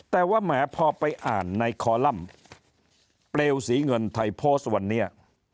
แต่ว่าแหมพอไปอ่านในคอลัมป์เปลวสีเงินไทยโพสต์วันนี้